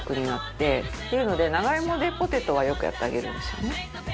っていうので長芋でポテトはよくやってあげるんですよね。